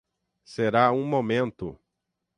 Será um momento.